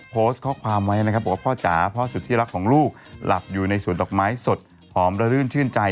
พ่อจ๋าพ่อสุดที่รักของลูกหลับอยู่ในสวนดอกไม้สดหอมระลื่นชื่นใจ